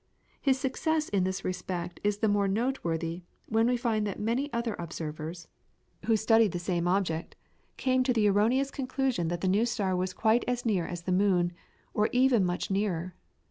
His success in this respect is the more noteworthy when we find that many other observers, who studied the same object, came to the erroneous conclusion that the new star was quite as near as the moon, or even much nearer.